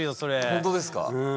本当ですか？